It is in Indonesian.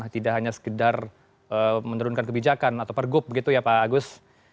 tidak hanya sekedar menurunkan kebijakan atau pergub begitu ya pak agus